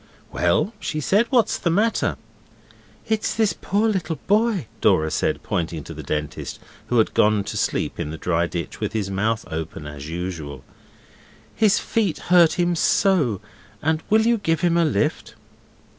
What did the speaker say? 'Well,' she said, 'what's the matter?' 'It's this poor little boy,' Dora said, pointing to the Dentist, who had gone to sleep in the dry ditch, with his mouth open as usual. 'His feet hurt him so, and will you give him a lift?